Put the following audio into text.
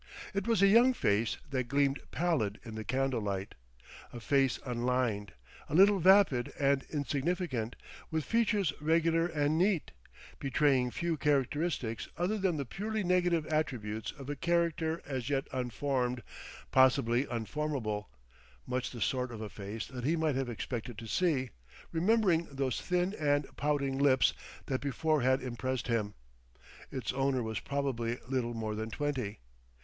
It was a young face that gleamed pallid in the candlelight a face unlined, a little vapid and insignificant, with features regular and neat, betraying few characteristics other than the purely negative attributes of a character as yet unformed, possibly unformable; much the sort of a face that he might have expected to see, remembering those thin and pouting lips that before had impressed him. Its owner was probably little more than twenty.